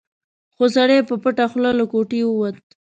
خو سړی په پټه خوله له کوټې ووت.